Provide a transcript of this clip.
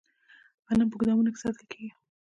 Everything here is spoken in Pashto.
غنم په ګدامونو کې ساتل کیږي.